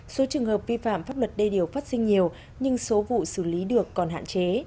số trường hợp vi phạm pháp luật đê điều phát sinh nhiều nhưng số vụ xử lý được còn hạn chế